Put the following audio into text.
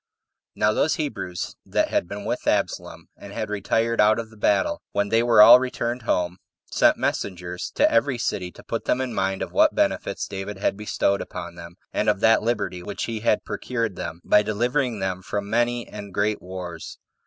1. Now those Hebrews that had been With Absalom, and had retired out of the battle, when they were all returned home, sent messengers to every city to put them in mind of what benefits David had bestowed upon them, and of that liberty which he had procured them, by delivering them from many and great wars.